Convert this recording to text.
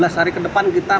lima belas hari ke depan kita